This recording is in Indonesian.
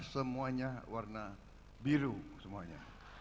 semuanya warna biru semuanya